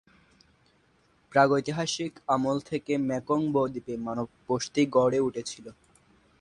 প্রাগৈতিহাসিক আমল থেকে মেকং ব-দ্বীপে মানব বসতি গড়ে উঠেছিল।